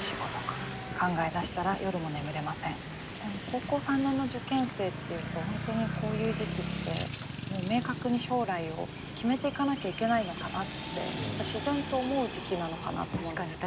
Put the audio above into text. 高校３年の受験生っていうと本当にこういう時期って明確に将来を決めていかなきゃいけないのかなってやっぱり自然と思う時期なのかなと思うんですけど。